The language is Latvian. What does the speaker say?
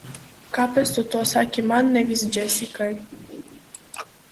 Kāpēc tu to saki man, nevis Džesikai?